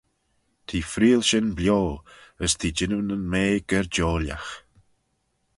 T'eh freayll shin bio, as t'eh jannoo nyn mea gerjoilagh.